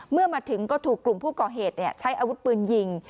เมื่อมาถึงก็ถูกกลุ่มผู้ก่อเหตุใช้อาวุธปืนยิง